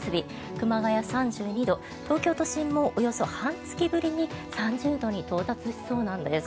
熊谷、３２度東京都心もおよそ半月ぶりに３０度に到達しそうなんです。